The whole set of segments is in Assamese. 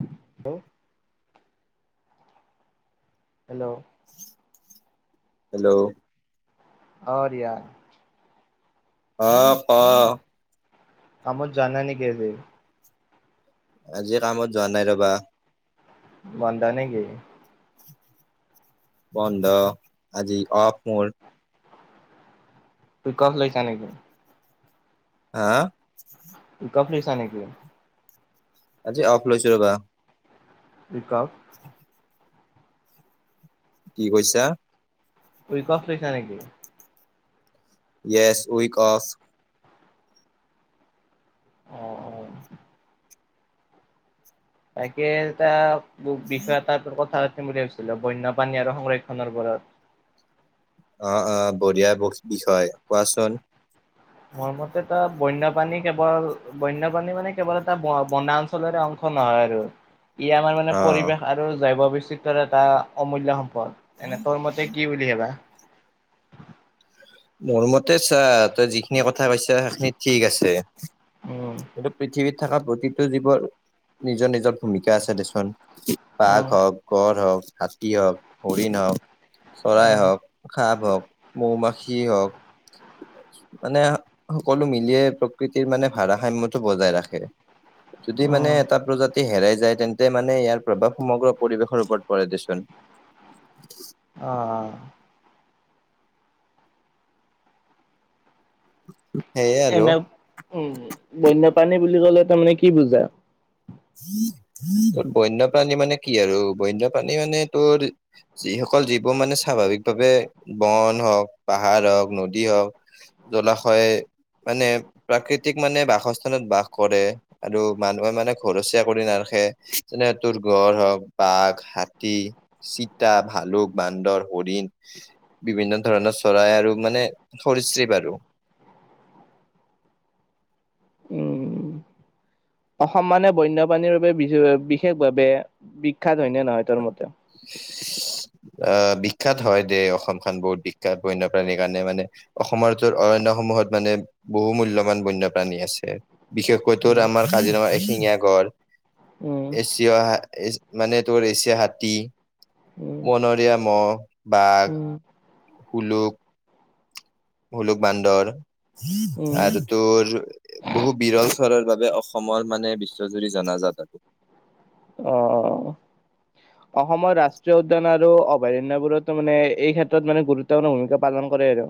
হেল্ল' হেল্ল' হেল্ল' অ, দিয়া, অ, ক। কামত যোৱা নাই নেকি আজি? আজি কামত যোৱা নাই ৰবা। বন্ধ নেকি? বন্ধ আজি অফ মোৰ। [unintelligible] অফ লৈছা নেকি? হা? [unintelligible] [inaudible] লৈছা নেকি? আজি অফ লৈছো ৰবা। [inaudible] কি কৈছা? [inaudible] লৈছা নেকি? Yes week off. অ', অ'। তাকে এটা বিষয় এ তাৰ কথা পাতিম বুলি ভাবিছো। আছিল বন্য পাণী আৰু সংৰক্ষনৰ ওপৰত। অ', অ', বঢ়িয়া বিষয় কোৱাচোন। মোৰ মতে তো বন্যপ্ৰাণী কেৱল বন্যপ্ৰাণী মানে কেৱল এটা বনা অঞ্চলৰে অংশ নহয় আৰু। ই আমাৰ মানে অ পৰিৱেশ আৰু জৈৱ বিচিত্ৰৰ এটা অমূল্য সম্পদ এনে তোৰ মতে কি বুলি আহবা। মোৰ মতে চা তই যিখিনি কথা কৈছ সেইখিনি ঠিক আছে। উম এটো পৃথিৱীত থকা প্ৰতিটো জীৱৰ নিজৰ, নিজৰ ভূমিকা আছে দেখোন বাঘ উম হওক গড় হওক, হাতী হওক, হৰিণ হওক, চৰাই উম হওক, সাপ হওক, মৌমাখ স, হওক [unintelligible] মানে সকলো মিলিয়ে প্ৰকৃতিৰ মানে ভাৰসাম্যতটো বজাই ৰাখে। যদি মানে উম এটা প্ৰজাতি হেৰাই যায় তেন্তে মানে ইয়াৰ প্ৰভাৱ সমগ্ৰ পৰিৱেশৰ ওপৰত পৰে দেচোন। অ'। সেয়ে আৰু এনে, উম, বন্যপাণী বুলি ক'লে তাৰমানে কি বুজা? তোৰ বন্যপ্ৰাণী মানে কি আৰু বন্যপ্ৰাণী মানে তোৰ যিসকল যীবোৰ মানে স্বাভাৱিকভাৱে বন হওক, পাহাৰ হওক, নদী হওক জলাশয় মানে প্ৰাকৃতিক মানে বাসস্থানত বাস কৰে আৰু মানুহে মানে ঘৰচীয়া কৰি নাৰাখে যেনে তোৰ গড় হওক, বাঘ, হাতী চিতা, ভালুক, বান্দৰ, হৰিণ বিভিন্ন ধৰণৰ চৰাই আৰু মানে সৰিশৃপ আৰু। উম। অসম মানে বন্যপ্ৰাণীৰ বাবে বিশেষভাৱে বিখ্যাত হয়নে নহয়? তোৰ মতে। [inaudible] অ, বীক্ষাত হয় দেই অসমখন বহুত বিখ্যাত বন্যপ্ৰাণীৰ কাৰণে মানে। অসমৰ অৰন্য সমূহত মানে বহু মূল্যবান বন্যপ্ৰাণী আছে। বিশেষকৈ তোৰ উম, আমাৰ কাজিৰঙা এশিঙীয়া গড় উম, এতিয়া মানে তোৰ এছিয়া হাতী উম, বনৰীয়া মহ, বাঘ, উম, সোলোক হোলুক বান্দৰ উম, আৰু তোৰ বহু বিৰল চৰাইৰ বাবে অসমৰ মানে বিশ্বজুৰি জনাজাত আৰু। অ'। অসমৰ ৰাষ্ট্ৰীয় উদ্যান আৰু অভয়াৰণ্যবোৰতো মানে এই ক্ষেত্ৰত মানে গুৰুত্বপূৰ্ণ ভূমিকা পালন কৰে আৰু।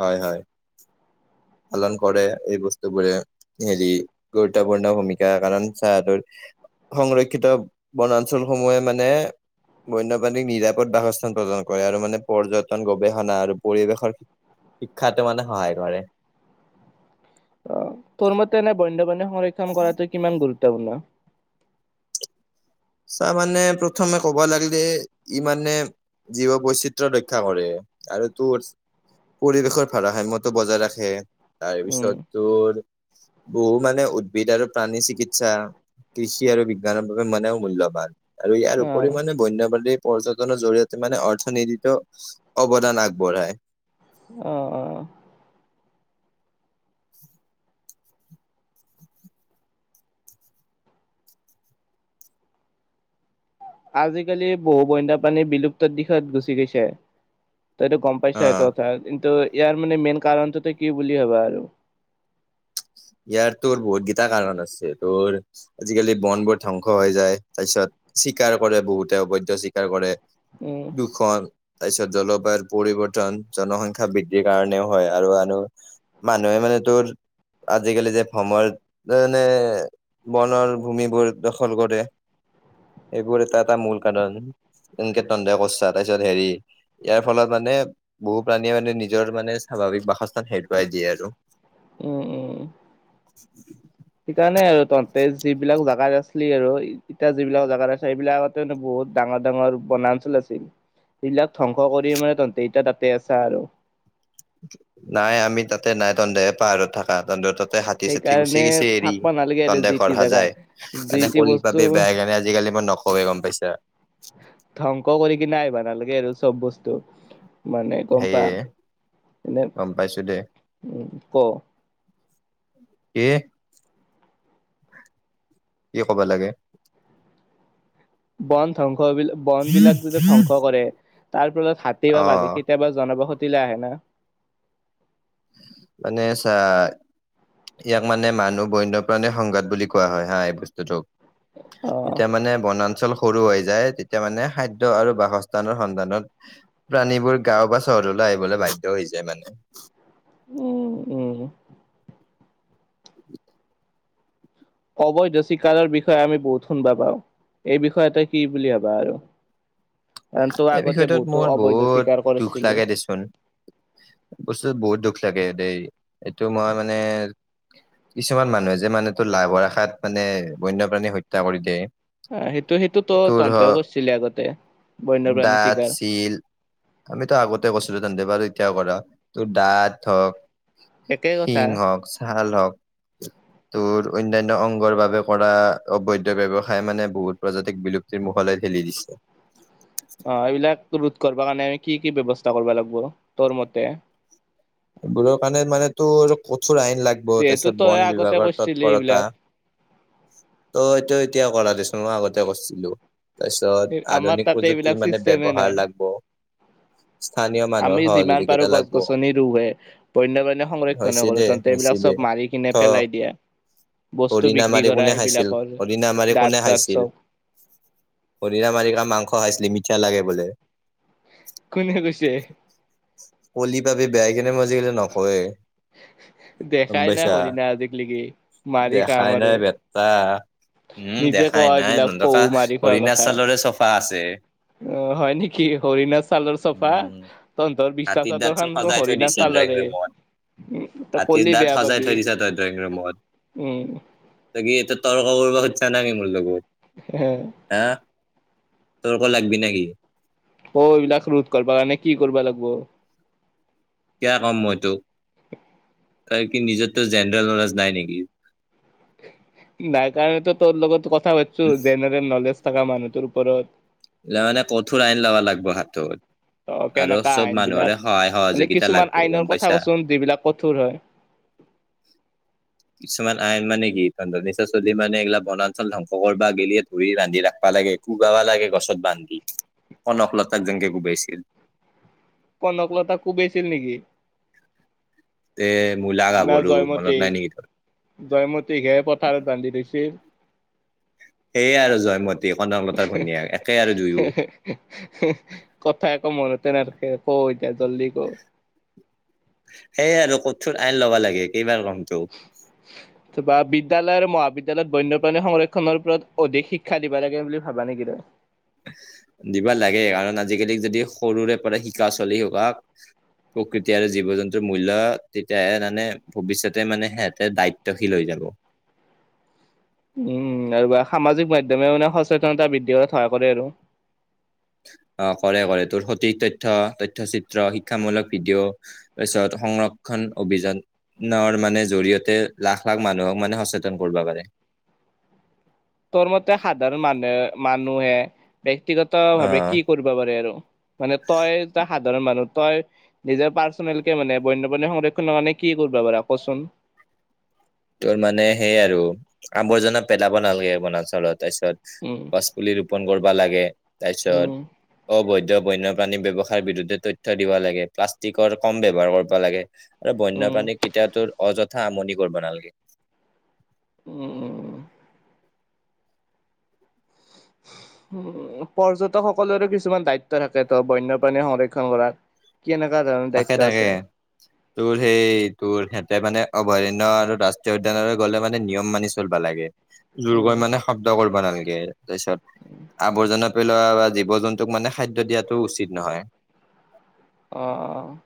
হয়, হয়। পালন কৰে এই বস্তুবোৰে হেৰি, গুৰুত্বপূৰ্ণ ভূমিকা কাৰণ চা তোৰ সংৰক্ষিত বনাঞ্চলসমূহে মানে বন্যপ্ৰাণীক নিৰাপদ বাসস্থান প্ৰদান কৰে আৰু মানে পৰ্যটন গৱেষণা আৰু পৰিৱেশৰ শিক্ষাটো মানে সহায় কৰে। অ', তোৰ মতে এনে বন্য সংৰক্ষণ কৰাটো কিমান গুৰুত্বপূৰ্ণ? ছাৰ মানে প্ৰথমে কবা লাগিলে ই মানে জীৱ বৈচিত্ৰ ৰক্ষা কৰে আৰু তোৰ পৰিৱেশৰ ভাৰাসাম্যতো বজাই ৰাখে। উম, তাৰপিছত তোৰ বহু মানে উদ্ভিদ আৰু প্ৰাণী চিকিৎসা কৃষি আৰু বিজ্ঞানৰ বাবে মানে মূল্যবান আৰু ইয়াৰ অ', উপৰি মানে বন্যপাণী পৰ্যটনৰ জৰিয়তে মানে অৰ্থনীতিতটো অৱদান আগবঢ়ায়। অ', অ'। আজিকালি বহু বনী প্ৰানী বিলুপ্ত দিশত গুচি গৈছে। তইটো গম পাইছা এইটো অ' কথা। কিন্তু ইয়াৰ মানে মেইন কাৰণটো তই কি বুলি ভবা আৰু? ইয়াৰ তোৰ বহুত কিতা কাৰণ আছে তোৰ আজিকালি বন বোৰ ধ্বংস হৈ যায়, তাৰ পিছত চিকাৰ কৰে, বহুতে অবৈধ্য চিকাৰ কৰে। উম। প্ৰদূষণ, তাৰ পিছত জলবায়ুৰ পৰিৱৰ্তন, জনসংখ্যা বৃদ্ধিৰ কাৰণেও হয় আৰু মানুহে মানে তোৰ আজিকালি যে সময় মানে [unintelligible] বনৰ ভূমিবোৰ দখল কৰে, এইবোৰ এটা-এটা মূল কাৰণ। তেনকে তন্দে কৰিছা তাৰপিছত হেৰি ইয়াৰ ফলত মানে বহু প্ৰাণীয়ে মানে নিজৰ মানে স্বাভাৱিক বাসস্থান হেৰুৱাই দিয়ে আৰু। উম- উম- উম। [unintelligible] সেইকাৰণে আৰু তহতে যিবিলাক জাগাত আছিলি আৰু। এতিয়া যিবিলাক জাগাত আছে, সেইবিলাক আগতে বহুত ডাঙৰ ডাঙৰ বনাঞ্চল আছিল। এইবিলাক ধ্বংস কৰি মানে তহঁতি এতিটা তাতেই আছা আৰু। নাই আমি তাতেই নাই তহহে পাহাৰত থাকা [unintelligible] ততে হাতী চাতি গুচি সেইকাৰণে গুচি এৰি থাকবা নালাগে আৰু তন্দে যি ঘৰ টি জাগাত সাজাই যি এনে টি কলি বস্তু পাব। [unintelligible] আজিকালি মই নকৱেই গম পাইছা। ধ্বংস কৰি কিনো আহিব নালাগে আৰু চব বস্তু। মানে গম পা, সেয়ে এনেই গম পাইছো দে উম ক। কি? কি ক'ব লাগে? বন ধংখ বন বিলাক যেতিয়া ধ্বংস কৰে তাৰ ফলত হাতী বা অ বঘে কেতিয়াবা জনবসতিলেলৈ আহে না। মানে চা ইয়াক মানে মানুহ বন্যপ্ৰাণীৰ সংঘাত বুলি কোৱা হয় হা এই বস্তুটোক। অ এতিয়া মানে বনাঞ্চল সৰু হৈ যায়, তেতিয়া মানে খাদ্য আৰু বাসস্থানৰ সন্ধানত প্ৰাণীবোৰ গাও বা চহৰলৈ আহিবলৈ বাধ্য হৈ যায় মানে। উম উম। অবৈধ চিকাৰৰ বিষয়ে আমি বহুত শুনা পাও। এই বিষয়ত কি বুলি ভাবা আৰু? কাৰণ তই এই আগতে বিষয়টোত বহুতো মোৰ অবৈধ বহুত চিকাৰ দুখ কৰিছিলি লাগে দেচোন। বস্তুত বহুত দুখ লাগে দেই। এইটো মই মানে কিছুমান মানুহে যে, মানুহটোৰ লাভৰ আশাত মানে বন্যপ্ৰাণীক হত্যা কৰি দিয়ে। অ', সেইটো সেইটো তো তোৰ হ তন্তেও কৰিছিলে আগতে। বন্যপ্ৰাণী দাঁত, চিকাৰ চিল। আমিতো আগতে গৈছিলো তেন্তে বাৰু এতিয়াও কৰা। তোৰ দাঁত একেই হওক কথা শিং হওক ছাল হওক। তোৰ অন্যান্য অংগৰ বাবে কৰা অবৈধ ব্যৱসায় মানে বহুত প্ৰজাতিক বিলুপ তিৰ মুখলৈ থেলি দিছে। অ', এইবিলাক ৰোধ কৰিব কাৰণে আমি কি কি ব্যৱস্থা কৰিব লাগিব? তোৰ মতে। এইবোৰৰ কাৰণে মানেতো কঠোৰ আইন লাগিব, যিহেতু তাৰপিছত তই বন আগতে বিভাগৰ কৰিছিলি এইবিলাক তৎপৰতা। ত' এইটো এতিয়া কৰা দিছোন মই আগতে কৰিছিলো। তাৰপিছত আমাৰ আধুনিক তাতে প্ৰযুক্তিৰ এইবিলাক মানে চিষ্টেমে ব্যৱহাৰ নাই লাগব। স্থানীয় মানুহৰ আমি যিমান পাৰো সহযোগিতা গছ লাগব গছনি ৰুওঁয়েই, বন্য সংৰক্ষণ হৈছে কৰো দে তন্ত হৈছে এইবিলাক দে চব মাৰি কিনে থ পেলাই দিয়ে। বস্তু হৰিণা বিক্ৰী মাৰি কৰা কোনে খাইছিল সেইবিলাকৰ হৰিণা মাৰি কোনে দাঁত চাঁত খাইছিল চব। হৰিণা মাৰি কৰা মাংস খাইছিলে, মিঠা লাগে বোলে। কোনে কৈছে? কলি পাবি বেয়া সেইকাৰনে মই আজিকালি নকওঁ এই, গম দেখাই নাই পাইছা? হৰিণা আজিকলেকি মাৰি খাম দেখাই আৰু নাই ব বেটা উম। নিজে ক দেখাই নাই এইবিলাক তহন্তৰ কা পহু মাৰি অৰিণাচালৰে চফা আছে। অহ', হয় নেকি? হৰিণাৰ ছালৰ চফা। উম তহঁন্তৰ বিছনা হাতীৰ দাঁত চোন চাদৰখন দেখোন সজাই থৈ হৰিণাৰ দিছে ড্ৰয়িং চালৰে। ৰুমত উম, তই হাতীৰ কলি দাঁত বেয়া সজাই পাবি। থৈ দিছে তই ড্ৰয়িং ৰুমত উম। তই কি এতে তৰ্ক কৰিব খুজিছা নেকি মোৰ লগত। হে। হা! তৰ্ক লাগবি নেকি? অহ, এইবিলাক ৰোধ কৰিব কাৰণে কি কৰিব লাগব? কিয়া কম মই তোক? তই কি নিজৰ তোৰ জেনেৰেল নলেজ নাই নেকি? নাই কাৰণেতো তোৰ লগত কথা পাতিছোঁ, জেনেৰেল নলেজ থকা মানুহতোৰ ওপৰত। এই গিলা মানে কঠোৰ আইন লবা লাগিব হাতত। অহ, আৰু কেনেকা চব আইনবিলাক। মানুহৰে সহায় মানে সহযোগিতা কিছুমান লাগব গম আইনৰ কথা পাইছা কচোন যিবিলাক কঠোৰ হয়। [unintelligible] কিছুমান আইন মানে কি তহন্তৰ নিচিনা চলি মানে এইগিলাক বনাঞ্চল ধ্বংস কৰিবা গেলিয়ে ধৰি ৰান্ধি ৰাখবা লাগে। কোবাবা লাগে গছত বান্ধি ককললতাক যেনকে কোবাইছিল। কনকলতাক কোবাইছিল নেকি? এ না মোলাগাভৰু মনত জয়মতীক নাই নেকি তোৰ। জয়মতীকহে পথাৰত বান্ধি থৈছিল। সেয়ে আৰু জয়মতী কনকলতাৰ ভনিয়েক একে আৰু দুয়ো। কথা আকৌ মনতেই নাথাকে কওঁ এতিয়া জল্দি কওঁ। সেইয়ে আৰু কঠোৰ আইন ল'বা লাগে কেইবাৰ কম তোক। [unintelligible] ত' বা বিদ্যালয় আৰু মহাবিদ্যালয়ত বন্যপ্ৰাণী সংৰক্ষনৰৰ ওপৰত অধিক শিক্ষা দিবা লাগে বুলি ভাবা নেকি তই? দিবা লাগে কাৰণ আজিকালি যদি সৰুৰে পৰা শিকা চলি সোপাক। প্ৰকৃতি আৰু জীৱ-জন্তুৰ মূল্য তেতিয়াহে মানে ভৱিষ্যতে মানে সিহঁতে দায়িত্বশীল হৈ যাব। উম, আৰু বা সামাজিক মাধ্যমে মানে সচেতনতা বৃদ্ধি কৰা সহায় কৰে আৰু। অহ, কৰে-কৰে তোৰ সঠিক তথ্য, তথ্যচিত্ৰ, শিক্ষামূলক ভিডিঅ' তাৰপিছত সংৰক্ষণ অভিযান সংৰক্ষণ মানে জৰিয়তে লাখ-লাখ মানুহক মানে সচেতন কৰিব পাৰে। তোৰ মতে সাধাৰণ মানুহে, মানুহে অ ব্যক্তিগতভাৱে কি কৰিব পাৰে আৰু? মানে তই এটা সাধাৰণ মানুহ, তই নিজৰ পাৰ্চনেলকে মানে বন্যপ্ৰাণীৰ সংৰক্ষণৰ কাৰণে কি কৰিবা বাৰু কচোন। তোৰ মানে সেই আৰু আৱৰ্জনা পেলাব নালাগে বনাঞ্চলত, উম তাৰপিছত পুলি ৰোপন কৰিবা লাগে, তাৰপিছত উম অবৈধ বন্যপাণী ব্যৱসায়ৰ বিৰুদ্ধে তথ্য দিব লাগে, প্লাষ্টিকৰ কম ব্যৱহাৰ কৰিব লাগে। আৰু উম বন্যপ্ৰাণী কেতিয়া তোৰ অযথা আমনি কৰিব নালাগে। উম', উম', উম'। উম, পৰ্যটকসকলৰো কিছুমান দায়িত্ব থাকে ত' বন্যপ্ৰণী সংৰক্ষণ কৰাত। কি এনেকুৱা ধৰণৰ দায়িত্ব থাকে-থাকে। আছে তোৰ সেই, তোৰ সিহঁতে মানে অভয়াৰণ্য আৰু ৰাষ্ট্ৰীয় উদ্যানৰে গ'লে মানে নিয়ম মানি চলিবা লাগে। উম জোৰকৈ মানে শব্দ কৰিবা নালাগে। তাৰপপিছত আৱৰ্জনা পেলোৱা বা জীৱ-জন্তুক মানে খাদ্য দিয়াটোও উচিত নহয়। অহ', অহ'।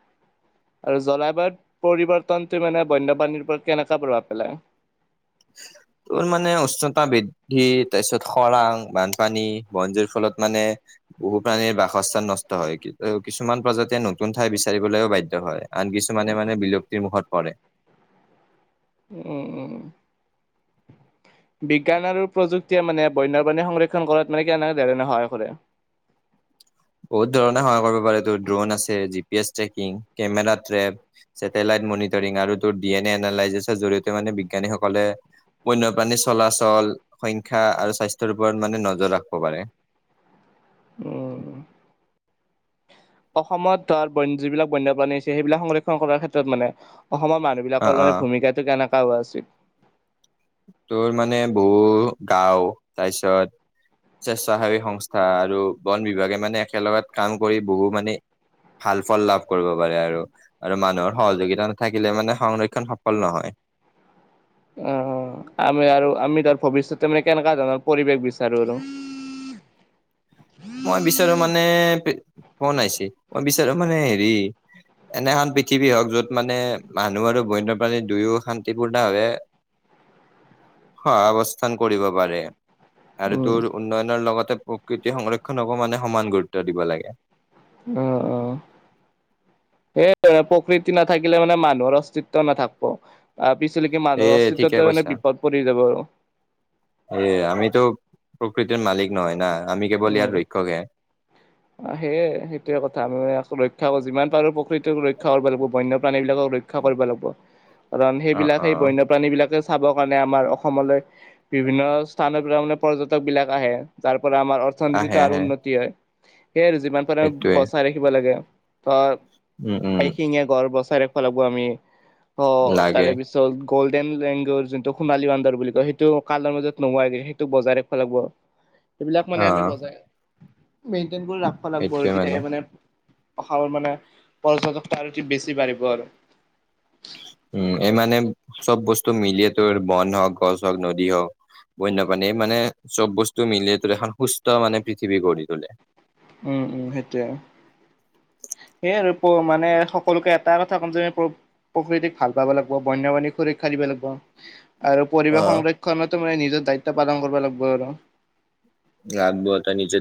আৰু জলবায়ুত পৰিৱৰ্তনটোই মানে বন্যপাণীৰ ওপৰত কেনেকুৱা প্ৰভাৱ পেলায়? [inaudible] তোৰ মানে উষ্ণতা বৃদ্ধি তাৰপিছত খৰাং বানপানী বনজুইৰ ফলত মানে বহু প্ৰাণীৰ বাসস্থান নষ্ট হয়। কি-কিছুমান প্ৰজাতি নতুন ঠাই বিচাৰিবলৈও বাধ্য হয়। আন কিছু মমানে মানে বিলুপ্তিৰ মুখত পৰে। উম উম। বিজ্ঞান আৰু প্ৰযুক্তিয়ে মানে বন্যপ্ৰাণী সংৰক্ষণ কৰাত মানে কেনেকৈ ধৰণে সহায় কৰে। বহুত ধৰণে সহায় কৰিব পাৰে এইটো ড্ৰন আছে G P S tracking camera trap. Satellite monitoring আৰু ত ডি এন এ এনালাইচিছৰ জৰিয়তে মানে বিজ্ঞানীসকলে বন্যপ্ৰাণীৰ চলাচল সংখ্য্া আৰু স্বাস্থ্যৰ ওপৰত মানে নজৰ ৰাখিব পাৰে। উম। অসমত তাৰ ব যিবিলাক বন্যপ্ৰাণী হৈছে সেইবিলাক সংৰক্ষণ কৰাৰ ক্ষেত্ৰত মানে অসমৰ মানুহে এই অ', বিলাকৰ মানে অ', ভূমিকাটো কেনেকা হোৱা আছিল। তোৰ মানে বহু গাও তাৰপিছত স্বেচ্ছাসেৱী সংস্থা আৰু বন বিভাগে মানে একেলগত কাম কৰি বহু মানে ভাল ফল লাভ কৰিব পাৰে আৰু আৰু মানুহৰ সহযোগিতা নাথাকিলে মানে সংৰক্ষণ সফল নহয়। অ' আমি আৰু আমি তাৰ ভৱিষ্যতে মানে কেনেকুৱা ধৰণৰ পৰিৱেশ বিচাৰো আৰু। মই বিচাৰো মানে, ফোন আহিছে, মই বিচাৰো মানে হেৰি এনে এখন পৃথিৱী হওক যত মানে মানুহ আৰু বন্যপ্ৰাণীৰ দুয়ো শান্তিপূৰ্ণ ভাৱে [inaudible] হয় অৱস্থান কৰিব পাৰে। আৰু উম। তোৰ উন্নয়নৰ লগতে প্ৰকৃতিৰ সংৰক্ষণকো মানে সমান গুৰুত্ব দিব লাগে। অ' অ'। স প্ৰকৃতি নাথাকিলে মানে মানুহৰ অস্তিত্ব নাথাকব। আৰু পিছিলে কি মানুহৰ সেয়ে ঠিকে অস্তিত্বতে মানে কৈছা বিপদ পৰি যাব আৰু। এ আমিতো প্ৰকৃতিৰ মালিক নহয় না আমি কেৱল ইয়াৰ ৰক্ষক হে। আহ সেয়ে সেইটোৱে কথা আমি ৰক্ষা কৰো যিমান পাৰো প্ৰকৃতিক ৰক্ষা কৰিব লাগিব বন্য প্ৰাণী বিলাকক ৰক্ষা ৰক্ষা কৰিব লাগিব, কাৰণ অ সেইবিলাক সেই অ বন্যপ্ৰাণী বিলাকে চাবৰ কাৰণে আমাৰ অসমলৈ বিভিন্ন স্থানৰ পৰা মে পৰ্যটক বিলাক আহে তাৰ পৰা আমাৰ আহে অৰ্থনীতিতটো আৰু আহে উন্নতি হয়। সেয়ে আৰু যিমান পাৰোৰে সেইটোৱে বচাই ৰাখিব লাগে উম উম ধৰ এ শিঙে গড় বচাই ৰাখিব আমি, অ' লাগে তাৰে পিছত গল্ডেন লেংগুৰ যোনটো সোণালী বান্দাৰ বুলি কয়, সেইটো কালাৰ মাজত নোহোৱাইগ সেইটোক বজাই ৰাখিব লাগিব। সেইবিলাক মানে অ আমি বজাই, মেইনটেইন কৰি ৰাখিব লাগৰ মানে ভষ মানে পৰ্যটক আৰু অতি বেছি বাঢ়িব আৰু। উম এই মানে চব বস্তু মিলিয়ে তোৰ বন হওক গছ হওক নদী হওক বন্যপাণী মানে চব বস্তু মিলি তো এখন সুস্থ মানে পৃথিৱী গঢ়ি তোলে। উম উম, সেইটোয়ে। সেইয়ে আৰু মানে সকলোকে এটা কথা ক'ম যে প্ৰকৃতিক ভাল পাব লাগিব বন্য পাণীক শো শোৰক্ষা দিব লাগিব। আৰু অ পৰিৱেশ সংৰক্ষণতো মানে নিজৰ দায়িত্ব পালন কৰিব লাগিব আৰু। লাগব এটা নিচে